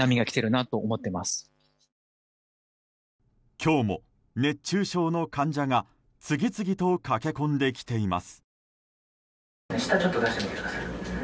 今日も熱中症の患者が次々と駆け込んできています。